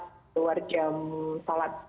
saya sudah keluar jam salat